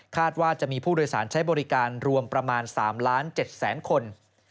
คาดว่าจะมีผู้โดยสารใช้บริการรวมประมาณ๓๗๐๐๐๐๐คน